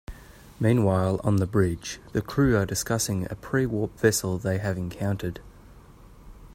Meanwhile, on the Bridge, the crew are discussing a pre-warp vessel they have encountered.